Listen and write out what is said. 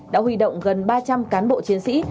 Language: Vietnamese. đã huy động gần ba trăm linh cán bộ chiến sĩ